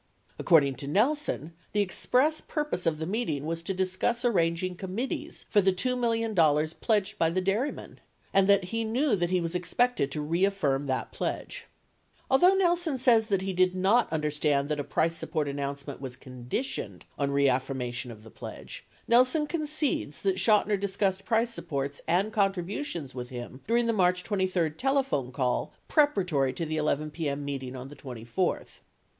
According to Nelson, the express purpose of the meeting was to discuss arranging committees for the $2 million pledged by the dairymen, and that he knew that, he was expected to reaffirm that pledge. Although Nelson says that he did not understand that a price support announcement was conditioned on reaffirmation 81 Weitz Affidavit, Exhibit B, 17 Hearings 8008 09. 661 of the pledge, Nelson concedes that Chotiner discussed price supports and contributions with him during the March 23cl telephone call preparatory to the 11 pan. meeting on the 24th.